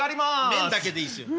麺だけでいいすよ。